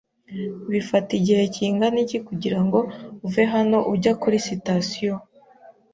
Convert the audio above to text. Bifata igihe kingana iki kugirango uve hano ujya kuri sitasiyo?